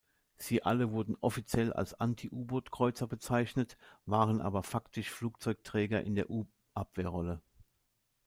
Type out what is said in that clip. Sie alle wurden offiziell als Anti-U-Boot-Kreuzer bezeichnet, waren aber faktisch Flugzeugträger in der U-Abwehrrolle.